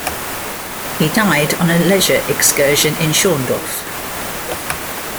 He died on a leisure excursion in Schorndorf.